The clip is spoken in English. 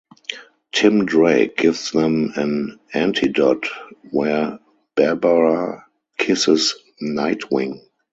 Tim Drake gives them an antidote where Barbara kisses Nightwing.